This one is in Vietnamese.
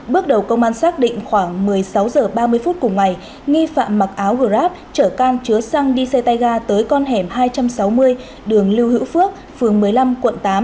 bước đầu công an xác định khoảng một mươi sáu h ba mươi phút cùng ngày nghi phạm mặc áo grab chở can chứa xăng đi xe tay ga tới con hẻm hai trăm sáu mươi đường lưu hữu phước phường một mươi năm quận tám